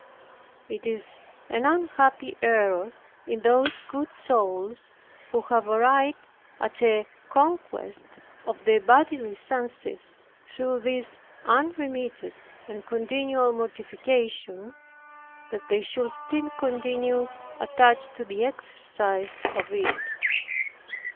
It is an unhappy error in those good souls, who have arrived at a conquest of the bodily senses, through this unremitted and continual mortification, that they should still continue attached to the exercise of it.